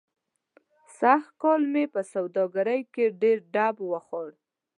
سږ کال مې په سوادګرۍ کې ډېر ډب و خوړ.